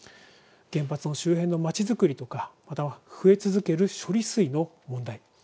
原発の周辺の町づくりとか増え続ける処理水の問題